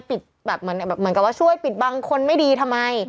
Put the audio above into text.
แบบเหมือนกับว่าช่วยปิดบังคนไม่ดีทำไม